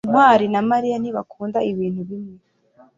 ntwali na mariya ntibakunda ibintu bimwe